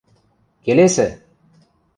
Келесӹ!..